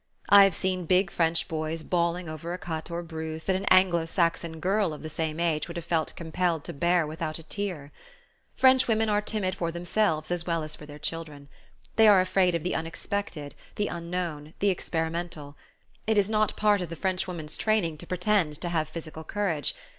I have seen big French boys bawling over a cut or a bruise that an Anglo Saxon girl of the same age would have felt compelled to bear without a tear. Frenchwomen are timid for themselves as well as for their children. They are afraid of the unexpected, the unknown, the experimental. It is not part of the Frenchwoman's training to pretend to have physical courage.